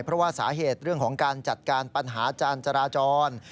เพราะว่าสาเหตุเรื่องของการจัดการปัญหาจานจราจร